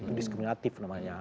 itu diskriminatif namanya